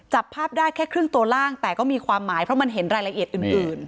จับภาพได้แค่ครึ่งตัวล่างแต่ก็มีความหมายเพราะมันเห็นรายละเอียดอื่น